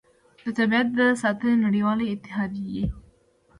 د طبیعت د ساتنې نړیوالې اتحادیې